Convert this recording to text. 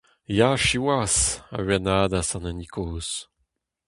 Ya, siwazh ! a huanadas an hini kozh.